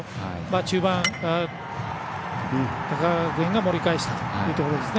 中盤、高川学園が盛り返したというところですね。